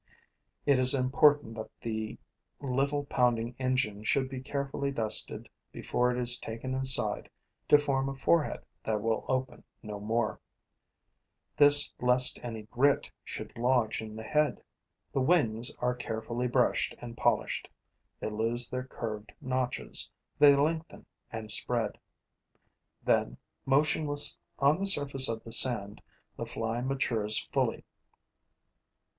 It is important that the little pounding engine should be carefully dusted before it is taken inside to form a forehead that will open no more: this lest any grit should lodge in the head. The wings are carefully brushed and polished; they lose their curved notches; they lengthen and spread. Then, motionless on the surface of the sand, the fly matures fully.